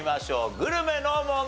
グルメの問題。